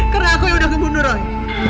karena aku yang udah membunuh roy